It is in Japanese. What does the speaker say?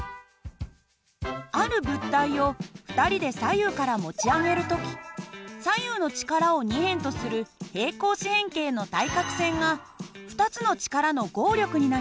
ある物体を２人で左右から持ち上げる時左右の力を２辺とする平行四辺形の対角線が２つの力の合力になります。